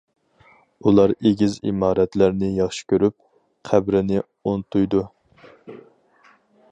ئۇلار ئېگىز ئىمارەتلەرنى ياخشى كۆرۈپ، قەبرىنى ئۇنتۇيدۇ.